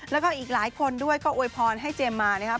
แล้วก็อีกหลายคนด้วยก็อวยพรให้เจมส์มานะครับ